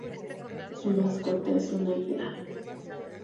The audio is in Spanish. Su mascota es un águila.